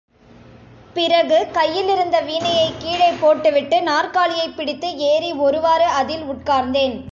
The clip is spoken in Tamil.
பிறகு கையிலிருந்த வீணையைக் கீழே போட்டுவிட்டு, நாற்காலியைப் பிடித்து ஏறி ஒருவாறு அதில் உட்கார்ந்தேன்.